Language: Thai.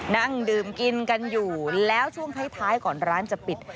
นั่งดื่มกินกันอยู่แล้วช่วงท้ายก่อนร้านจะปิด